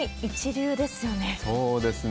そうですね。